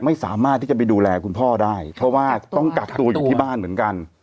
ไม่สามารถที่จะไปดูแลคุณพ่อได้เพราะว่าต้องกักตัวอยู่ที่บ้านเหมือนกัน